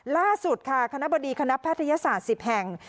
ล่าสุดค่ะคณะบดีคณะแพทยศาสตร์๑๐แห่ง